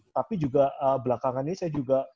tapi juga belakangan ini saya juga